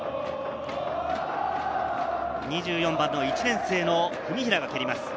２４番、１年生の文平が蹴ります。